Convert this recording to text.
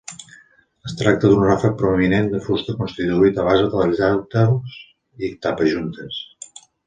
Es tracta d'un ràfec prominent de fusta constituït a base de llates i tapajuntes.